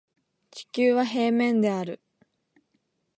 地球は平面である